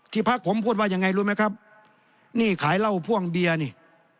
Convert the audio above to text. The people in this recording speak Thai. พักผมพูดว่ายังไงรู้ไหมครับนี่ขายเหล้าพ่วงเบียร์นี่